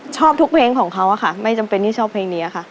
ชอบทุกเพลงของเขาค่ะไม่จำเป็นที่ชอบเพลงนี้ค่ะ